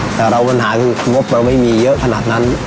แต่เราปัญหาคืองบเราไม่มีเยอะขนาดนั้น